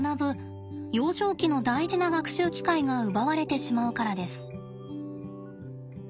幼少期の大事な学習機会が奪われてしまうからです。